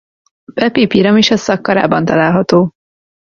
Pepi piramisa Szakkarában található.